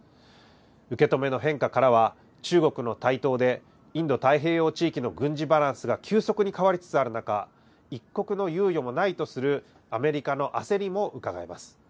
受け止めの変化からは、中国の台頭で、インド太平洋地域の軍事バランスが急速に変わりつつある中、一刻の猶予もないとするアメリカの焦りもうかがえます。